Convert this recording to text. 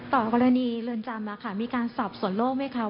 ต่อกรณีเรือนจำนะครับมีการสอบส่วนโลกไหมครับ